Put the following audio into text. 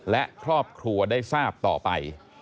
และครอบครัวได้ทราบต่อไป